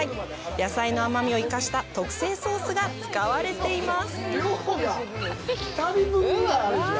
野菜の甘みを生かした特製ソースが使われています。